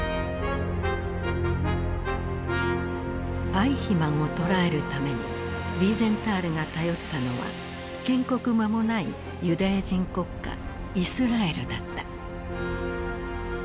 アイヒマンを捕らえるためにヴィーゼンタールが頼ったのは建国まもないユダヤ人国家イスラエルだった。